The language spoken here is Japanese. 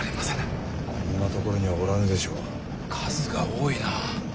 数が多いなあ。